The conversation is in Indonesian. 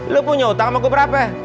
lo punya utang sama gue berapa